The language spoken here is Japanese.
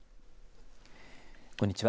こんにちは。